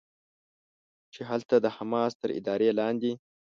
چې هلته د حماس تر ادارې لاندې